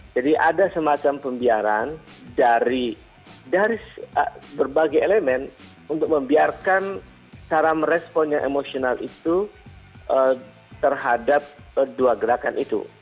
jadi ada semacam pembiaran dari berbagai elemen untuk membiarkan cara merespon yang emosional itu terhadap dua gerakan